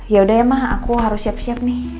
yaudah ya mah aku harus siap siap nih